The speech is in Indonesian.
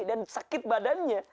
dan sakit badannya